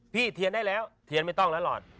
พี่เทียนได้แล้วเทียนไม่ต้องแล้วหลอด